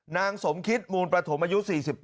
นางสมคิดมูลประถมอายุ๔๘